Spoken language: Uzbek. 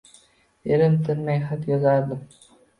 Erim tinmay xat yozardi